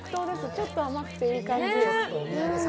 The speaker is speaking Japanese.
ちょっと甘くていい感じ。